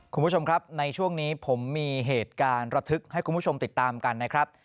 คุณผู้ชมครับในช่วงนี้ผมมีเหตุการณ์ระทึกให้คุณผู้ชมติดตามกันนะครับ